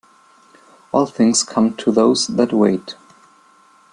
All things come to those that wait.